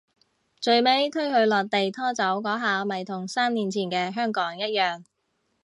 最尾推佢落地拖走嗰下咪同三年前嘅香港一樣